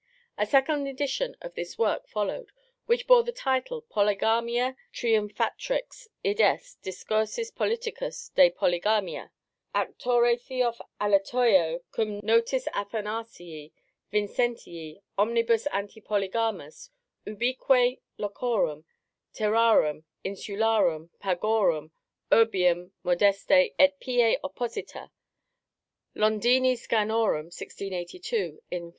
A second edition of this work followed, which bore the title _Polygamia triumphatrix, id est, discursus politicus de Polygamia, auctore Theoph. Aletoeo, cum notis Athanasii Vincentii, omnibus Anti polygamis, ubique locorum, terrarum, insularum, pagorum, urbium modeste et pie opposita (Londini Scanorum_, 1682, in 4).